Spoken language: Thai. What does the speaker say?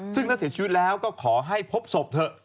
ซึ่งถ้าเสียชีวิตแล้วก็ขอให้พบศพเถอะ